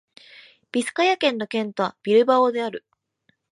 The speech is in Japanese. ビスカヤ県の県都はビルバオである